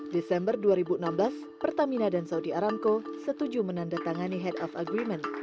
desember dua ribu enam belas pertamina dan saudi aramco setuju menandatangani head of agreement